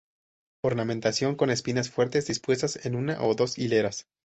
Ornamentación con espinas fuertes dispuestas en una o dos hileras.